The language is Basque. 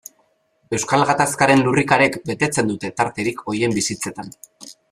Euskal Gatazkaren lurrikarek betetzen dute tarterik horien bizitzetan.